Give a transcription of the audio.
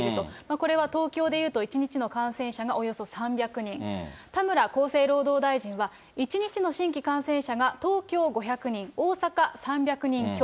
これは、東京でいうと、１日の感染者がおよそ３００人、田村厚生労働大臣は、１日の新規感染者が東京５００人、大阪３００人強。